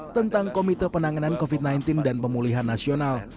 tentang komite penanganan covid sembilan belas dan pemulihan nasional